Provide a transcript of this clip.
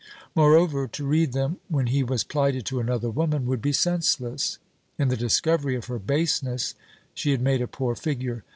Moreover, to read them when he was plighted to another woman would be senseless. In the discovery of her baseness, she had made a poor figure.